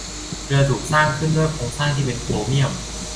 เรือถูกสร้างขึ้นด้วยโครงสร้างที่เป็นโครเมี่ยม